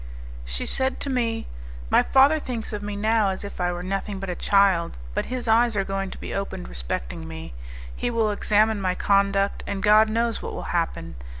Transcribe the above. She said to me, "My father thinks of me now as if I were nothing but a child; but his eyes are going to be opened respecting me; he will examine my conduct, and God knows what will happen!